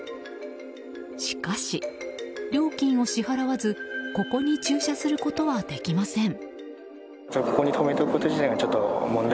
しかし、料金を支払わずここに駐車することはできません。